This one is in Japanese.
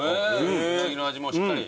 うなぎの味もしっかり？